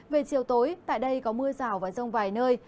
về chiều tối tại đây có mưa rào và rông vài nơi